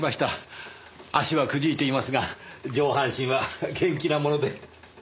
足はくじいていますが上半身は元気なもので。